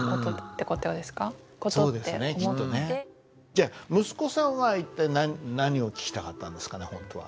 じゃあ息子さんは一体何を聞きたかったんですかね本当は。